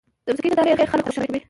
د موسیقۍ نندارې خلک خوشحاله کوي.